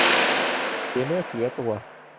เสียเนื้อเสียตัว